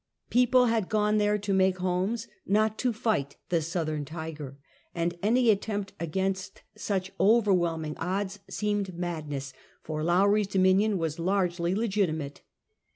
People had gone there to make homes, not to fight the Southern tiger, and any attempt against such overwhelming odds seemed madness, for Lowrie's dominion was largely legitimate.